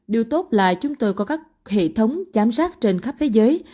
điều tốt là chúng tôi có các hệ thống giám sát trên khắp thế giới